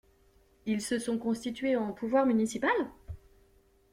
Ils se sont constitués en pouvoir municipal?